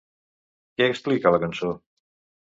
Què explica la cançó?